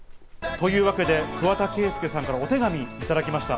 というわけで、桑田佳祐さんからお手紙をいただきました。